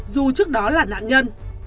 dù trước đó là nạn nhân